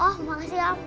oh makasih om